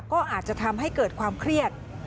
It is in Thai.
ก็อาจจะทำให้เกิดความเครียด